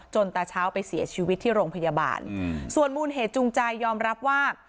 ตาเช้าไปเสียชีวิตที่โรงพยาบาลส่วนมูลเหตุจูงใจยอมรับว่า